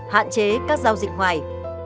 hạn chế các giao dịch ngoài